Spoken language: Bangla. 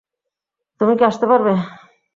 তুমি কি আসতে পারবে?